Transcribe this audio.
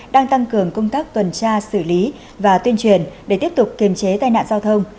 đang tăng cường công tác tuần tra xử lý và tuyên truyền để tiếp tục kiềm chế tai nạn giao thông